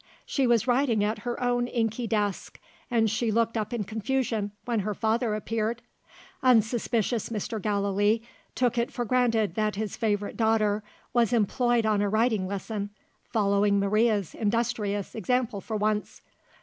She was writing at her own inky desk; and she looked up in confusion, when her father appeared. Unsuspicious Mr. Gallilee took if for granted that his favourite daughter was employed on a writing lesson following Maria's industrious example for once.